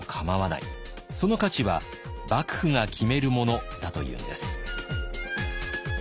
その価値は幕府が決めるものだというのです。